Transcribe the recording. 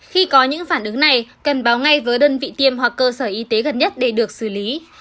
khi có những phản ứng này cần báo ngay với đơn vị tiêm hoặc cơ sở y tế gần nhất để được xử lý